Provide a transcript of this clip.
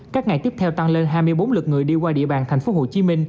các ngày tiếp theo tăng lên hai mươi bốn lượt người đi qua địa bàn tp hcm